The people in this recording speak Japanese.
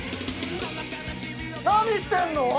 何してんの！？